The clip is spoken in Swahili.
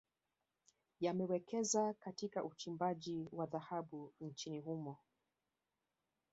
Yamewekeza Katika uchimbaji wa dhahabu nchini humo